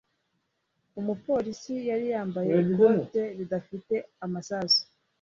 Umupolisi yari yambaye ikoti ridafite amasasu.